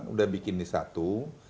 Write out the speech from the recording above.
udah bikin ini satu